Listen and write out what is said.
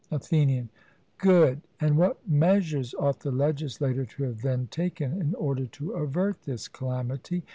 ATHENIAN: Good; and what measures ought the legislator to have then taken in order to avert this calamity?